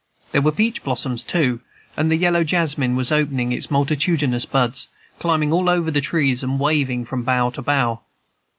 There were peach blossoms, too, and the yellow jasmine was opening its multitudinous buds, climbing over tall trees, and waving from bough to bough.